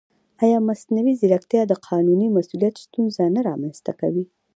ایا مصنوعي ځیرکتیا د قانوني مسؤلیت ستونزه نه رامنځته کوي؟